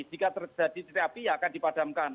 jika terjadi titik api ya akan dipadamkan